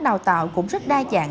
đào tạo cũng rất đa dạng